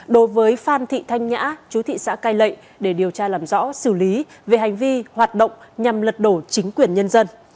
đối với phan thị thanh nhã chú thị xã cai lệ để điều tra làm rõ xử lý về hành vi hoạt động nhằm lật đổ chính quyền nhân dân